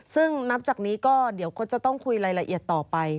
ซึ่งนับจากนี้ก็เดี๋ยวก็จะต้องคุยรายละเอียดต่อไป